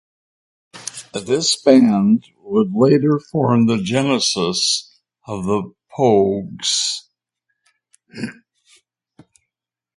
This band would later form the genesis of The Pogues.